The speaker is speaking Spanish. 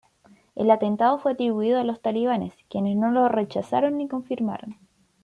El atentado fue atribuido a los talibanes, quienes no lo rechazaron ni confirmaron.